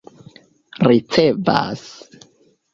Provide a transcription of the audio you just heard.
ricevas